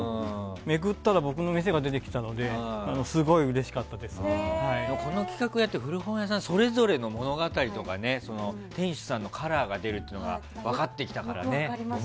めくったら僕の店が出てきたのでこの企画をやって、古本屋さんそれぞれの物語とか店主さんのカラーが出るとか分かってきたからね。